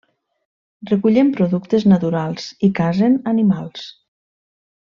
Recullen productes naturals i casen animals.